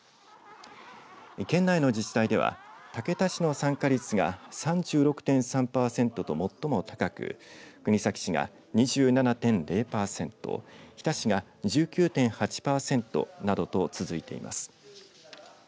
県内の自治体では竹田市の参加率が３６．３パーセントと最も高く国東市が２７．０パーセント日田市が１９．８パーセントなどと続いています。